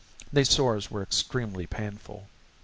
These sores were extremely painful.